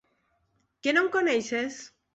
Que no em coneixes?